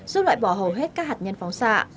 giúp loại bỏ hầu hết các hạt nhân phóng xạ